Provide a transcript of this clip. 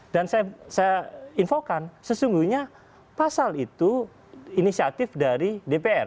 dan saya infokan sesungguhnya pasal itu inisiatif dari dpr